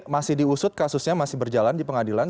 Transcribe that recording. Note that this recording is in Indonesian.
masih diusut kasusnya masih berjalan di pengadilan